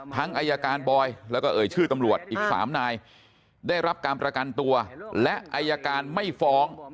อายการบอยแล้วก็เอ่ยชื่อตำรวจอีก๓นายได้รับการประกันตัวและอายการไม่ฟ้อง